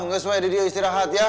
nggak usah istirahat ya